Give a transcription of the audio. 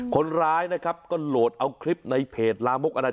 คนร้ายนะครับก็โหลดเอาคลิปในเพจลามกอนาจา